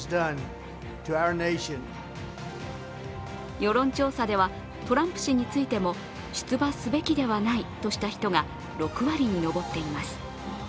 世論調査ではトランプ氏についても、出馬すべきではないとした人が６割に上っています。